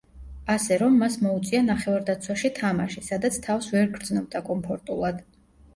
ასე რომ მას მოუწია ნახევარდაცვაში თამაში, სადაც თავს ვერ გრძნობდა კომფორტულად.